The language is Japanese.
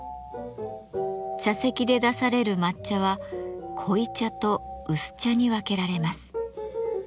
茶席で出される抹茶は濃茶と薄茶に分けられます。